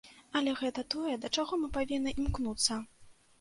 Але гэта тое, да чаго мы павінны імкнуцца.